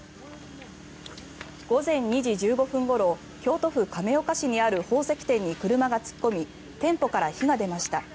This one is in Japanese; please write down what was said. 午前２時１５分ごろ京都府亀岡市にある宝石店に車が突っ込み店舗から火が出ました。